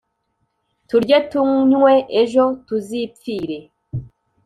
«Turye, tunywe, ejo tuzipfire!»